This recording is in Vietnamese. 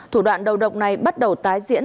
thủ đoạn đầu độc này bắt đầu tái diễn